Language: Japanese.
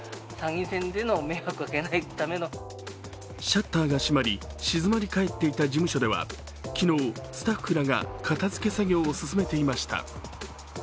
シャッターが閉まり、静まりかえっていた事務所では昨日、スタッフらが片付け作業を進めていました。